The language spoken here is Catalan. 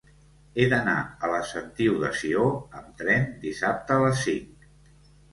He d'anar a la Sentiu de Sió amb tren dissabte a les cinc.